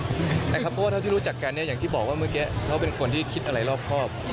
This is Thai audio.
เพราะว่าเท่าที่รู้จักกันอย่างที่บอกว่าเมื่อกี้เขาเป็นคนที่คิดอะไรรอบครอบ